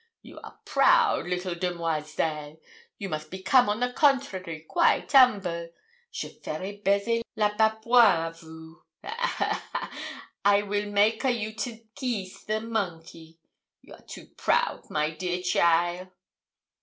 You are proud, little demoiselle; you must become, on the contrary, quaite humble. Je ferai baiser le babouin à vous ha, ha, ha! I weel make a you to kees the monkey. You are too proud, my dear cheaile.'